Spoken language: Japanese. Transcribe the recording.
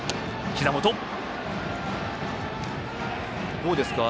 どうですか？